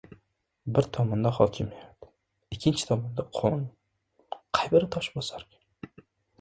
Bir tomonda hokimiyat, ikkinchi tomonda qonun: qay biri tosh bosarkin?